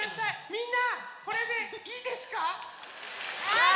みんなこれでいいですか？